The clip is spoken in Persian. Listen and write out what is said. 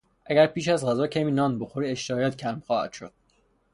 اگر پیش از غذا کمی نان بخوری اشتهایت کم خواهد شد.